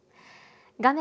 画面